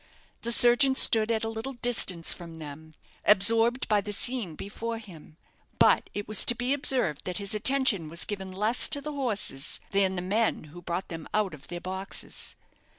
The surgeon stood at a little distance from them, absorbed by the scene before him; but it was to be observed that his attention was given less to the horses than the men who brought them out of their boxes.